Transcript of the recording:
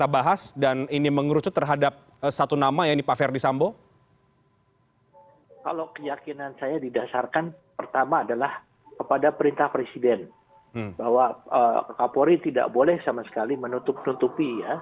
bahwa kapolri tidak boleh sama sekali menutup nutupi